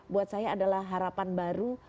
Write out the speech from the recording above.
buat saya adalah harapan baru